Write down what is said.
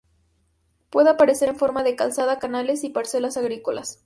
Puede aparecer en forma de calzadas, canales y parcelas agrícolas.